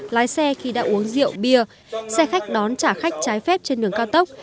lái xe khi đã uống rượu bia xe khách đón trả khách trái phép trên đường cao tốc